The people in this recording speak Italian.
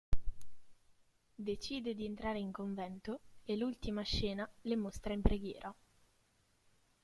Decide di entrare in convento e l'ultima scena le mostra in preghiera.